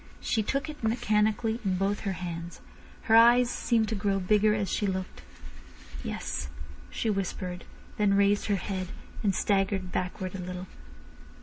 She took it mechanically in both her hands. Her eyes seemed to grow bigger as she looked. "Yes," she whispered, then raised her head, and staggered backward a little.